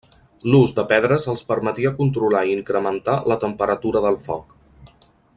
L'ús de pedres els permetia controlar i incrementar la temperatura del foc.